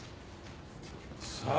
さあ。